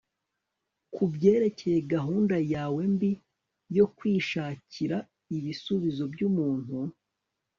kubyerekeye gahunda yawe mbi yo kwishakira ibisubizo byumuntu